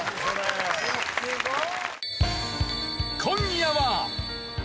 今夜は。